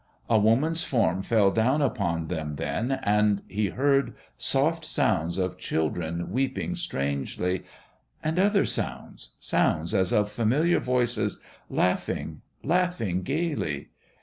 A woman's form fell down upon them then, and ... he heard ... soft sounds of children weeping strangely ... and other sounds ... sounds as of familiar voices ... laughing ... laughing gaily.